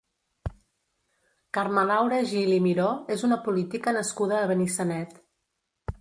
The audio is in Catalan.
Carme Laura Gil i Miró és una política nascuda a Benissanet.